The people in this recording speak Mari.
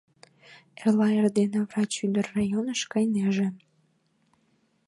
Эрла эрдене врач ӱдыр районыш кайынеже.